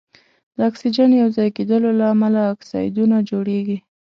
د اکسیجن یو ځای کیدلو له امله اکسایدونه جوړیږي.